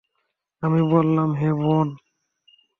আমি বললাম, হে বোন!